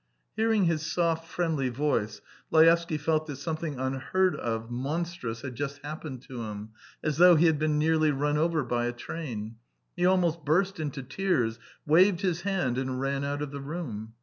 Hearing his soft, friendly voice, Laevsky felt that something unheard of, monstrous, had just happened to him, as though he had been nearly run over by a train; he almost burst into tears, waved his hand, and ran out of the room.